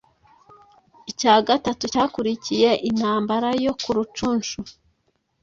Icya gatatu cyakurikiye intambara yo ku Rucunshu